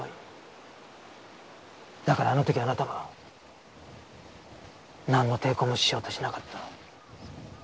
だからあの時あなたはなんの抵抗もしようとしなかった。